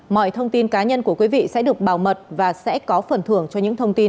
mọi thông tin cá nhân của quý vị sẽ được bảo mật và sẽ có phần thưởng cho những thông tin